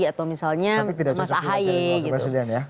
atau misalnya mas ahae gitu